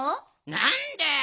なんだよ。